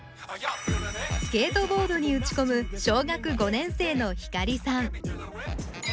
スケートボードに打ち込む小学５年生の晃さん